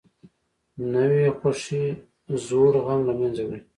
نوې خوښي زوړ غم له منځه وړي